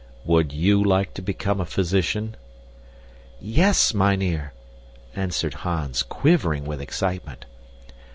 "Would you like to become a physician?" "Yes, mynheer," answered Hans, quivering with excitement.